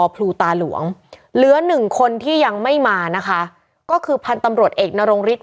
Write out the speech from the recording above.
ภูตาหลวงเหลือหนึ่งคนที่ยังไม่มานะคะก็คือพันธุ์ตำรวจเอกนรงฤทธ